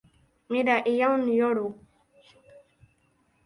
Mira, hi ha un lloro.